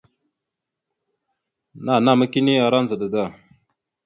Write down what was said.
Nanama kini ara ndzəɗa da.